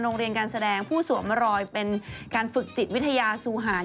โรงเรียนการแสดงผู้สวมรอยเป็นการฝึกจิตวิทยาสูหาร